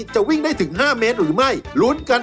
ชาเลนส์นี่สำเร็จหรือเปล่า